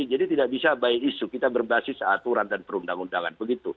jadi tidak bisa by issue kita berbasis aturan dan perundang undangan begitu